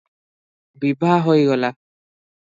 ବିଭା ହୋଇଗଲା।